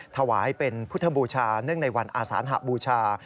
ถวายเป็นพุทธบูชาเนื่องในวันอาสานหบูชา